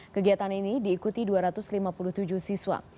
kegiatan ini diikuti dua ratus lima puluh tujuh siswa